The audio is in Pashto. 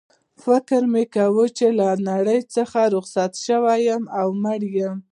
فکر مې وکړ چي له نړۍ څخه رخصت شوی او مړ یم.